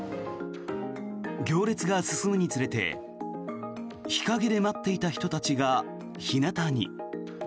行列が進むにつれて日陰で待っていた人たちが日なたに。